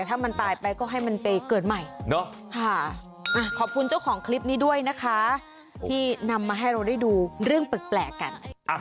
ถ้ามันตายไปก็ให้มันไปเกิดใหม่เนาะขอบคุณเจ้าของคลิปนี้ด้วยนะคะที่นำมาให้เราได้ดูเรื่องแปลกกัน